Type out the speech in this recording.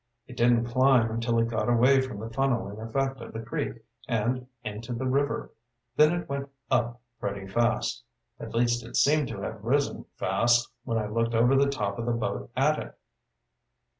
It didn't climb until it got away from the funneling effect of the creek and into the river, then it went up pretty fast. At least it seemed to have risen fast when I looked over the top of the boat at it."